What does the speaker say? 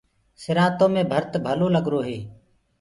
سِرآنٚتو مينٚ ڀرت ڀلو لگرو هي۔